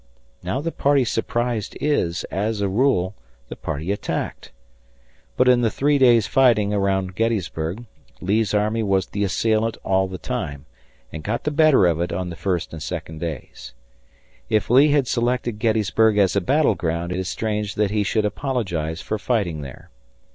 Now the party surprised is, as a rule the party attacked. But in the three days' fighting around Gettysburg, Lee's army was the assailant all the time and got the better of it on the first and second days. If Lee had selected Gettysburg as a battleground, it is strange that he should apologize for fighting there.